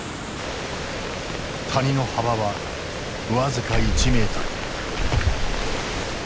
谷の幅は僅か１ｍ。